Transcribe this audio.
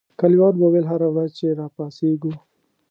کلیوالو به ویل هره ورځ چې را پاڅېږو.